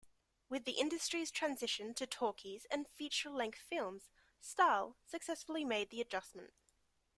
With the industry's transition to talkies and feature-length films, Stahl successfully made the adjustment.